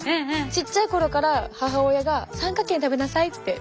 ちっちゃい頃から母親が「三角形に食べなさい」って。